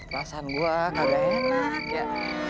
rasan gua kagak enak ya